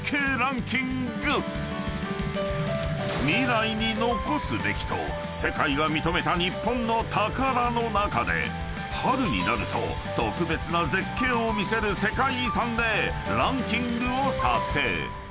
［未来に残すべきと世界が認めた日本の宝の中で春になると特別な絶景を見せる世界遺産でランキングを作成］